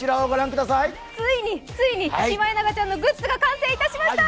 ついに、ついにシマエナガちゃんのグッズが完成しました！